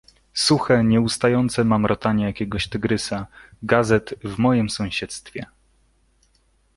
"Suche, nieustające mamrotanie jakiegoś tygrysa gazet w mojem sąsiedztwie."